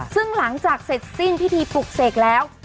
ซึ่งหลังจากเสร็จสิ้นพิธีปลุกเสกแล้ว